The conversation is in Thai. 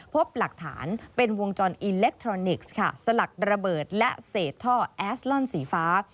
พบหลักฐานเป็นวงจรอิเล็กทรอนิกส์ค่ะสลักระเบิดและเศษท่อแอสลอนสีฟ้า